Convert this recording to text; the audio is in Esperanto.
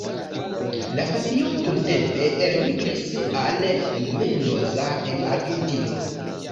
La familio dumtempe elmigris al Mendoza en Argentino.